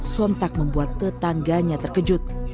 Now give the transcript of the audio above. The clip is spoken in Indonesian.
sontak membuat tetangganya terkejut